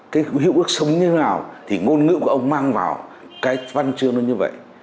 cái hữu ước sống như thế nào thì ngôn ngữ của ông mang vào cái văn chương nó như vậy